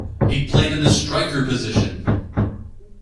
He played in the striker position.